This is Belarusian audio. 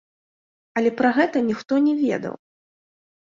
Але пра гэта ніхто не ведаў!